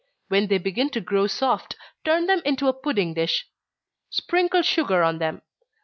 When they begin to grow soft, turn them into a pudding dish, sprinkle sugar on them.